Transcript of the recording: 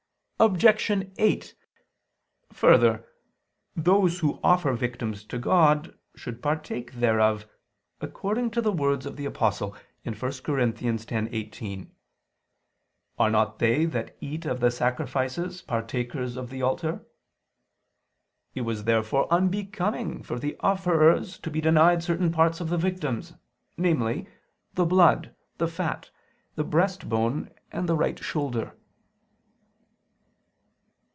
Obj. 8: Further, those who offer victims to God should partake thereof, according to the words of the Apostle (1 Cor. 10:18): "Are not they that eat of the sacrifices partakers of the altar?" It was therefore unbecoming for the offerers to be denied certain parts of the victims, namely, the blood, the fat, the breastbone and the right shoulder.